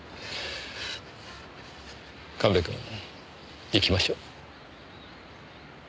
神戸君行きましょう。